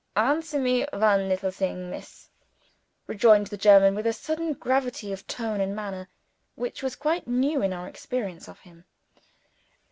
"Answer me one little thing, Miss," rejoined the German, with a sudden gravity of tone and manner which was quite new in our experience of him.